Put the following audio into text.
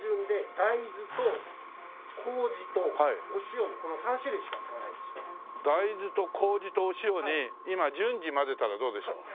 大豆と麹とお塩に今純次混ぜたらどうでしょう？